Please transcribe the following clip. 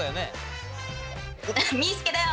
みーすけだよ！